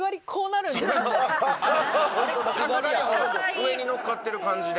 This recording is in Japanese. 上にのっかってる感じで。